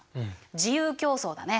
自由競争だね。